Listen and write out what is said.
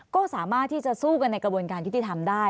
ก็สามารถที่จะสู้กันในกระบวนการยุติธรรมได้